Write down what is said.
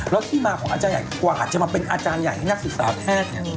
แล้วที่มาของอาจารย์ใหญ่กว่าอาจจะมาเป็นอาจารย์ใหญ่ให้นักศึกษาแพทย์เนี่ย